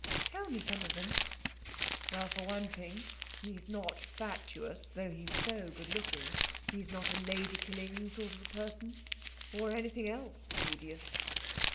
'Tell me some of them.' 'Well, for one thing, he's not fatuous, though he's so good looking. He's not a lady killing sort of person or anything else tedious.'